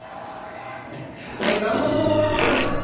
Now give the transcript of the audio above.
何であんな笑ってるんですか？